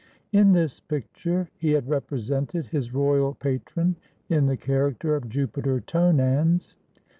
In this picture he had represented his royal patron in the character of Jupiter Tonans.